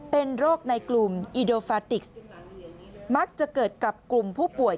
เป็นโรคในกลุ่มอิโดฟาติกส์มักจะเกิดกับกลุ่มผู้ป่วย